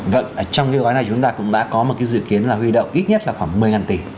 vâng trong cái gói này chúng ta cũng đã có một cái dự kiến là huy động ít nhất là khoảng một mươi tỷ